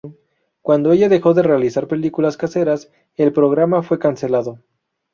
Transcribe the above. Cuando ella dejó de realizar películas caseras, el programa fue cancelado.